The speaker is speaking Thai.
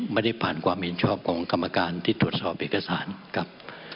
ไม่ได้ผ่านความเห็นชอบของกรรมการที่ตรวจสอบเอกสารครับ